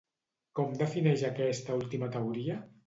Com defineix aquesta última teoria?